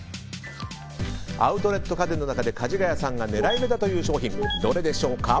アウトレット家電の中でかじがやさんが狙い目だという商品どれでしょうか？